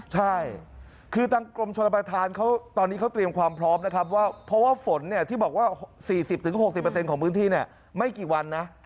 ใช่คือทางกรมชนประธานเขาตอนนี้เขาเตรียมความพร้อมนะครับว่าเพราะว่าฝนเนี่ยที่บอกว่า๔๐๖๐ของพื้นที่เนี่ยไม่กี่วันนะ